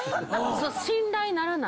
・信頼ならない。